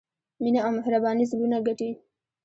مینه او مهرباني زړونه ګټي.